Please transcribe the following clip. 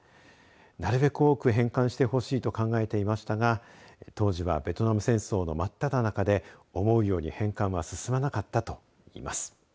なるべく多く返還してほしいと考えていましたが当時はベトナム戦争のまっただ中で思うように返還は進まなかったといいます。